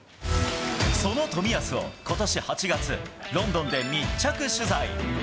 その冨安をことし８月、ロンドンで密着取材。